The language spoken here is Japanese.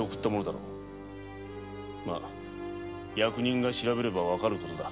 役人が調べれば分かる事だ。